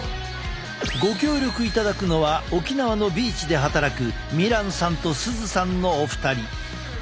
ご協力いただくのは沖縄のビーチで働く美欄さんと涼さんのお二人。